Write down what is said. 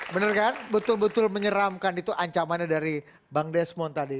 bener kan betul betul menyeramkan itu ancamannya dari bang desmond tadi